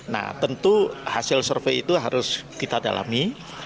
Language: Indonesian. nah tentu hasil survei itu harus kita dalami